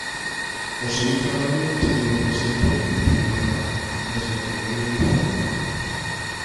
O seu traballo estivo presente en Cineuropa desde a primeira edición.